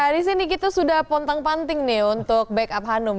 di sini kita sudah pontang panting nih untuk backup hanum